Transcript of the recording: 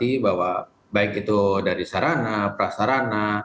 dalam arti bahwa baik itu dari sarana prasarana